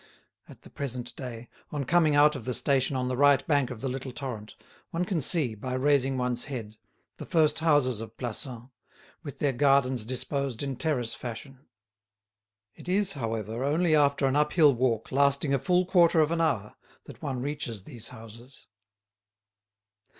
At the present day, on coming out of the station on the right bank of the little torrent, one can see, by raising one's head, the first houses of Plassans, with their gardens disposed in terrace fashion. It is, however, only after an uphill walk lasting a full quarter of an hour that one reaches these houses.